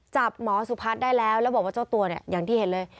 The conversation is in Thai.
จับหมอสุพัฒน์ได้แล้วแล้วบอกว่าเจ้าตัวเนี่ยอย่างที่เห็นเลย